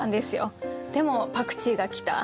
でもパクチーが来た。